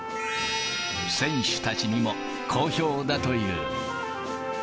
選手たちにも好評だという。